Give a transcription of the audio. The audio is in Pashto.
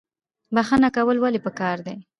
بخښنه کول ولې پکار دي؟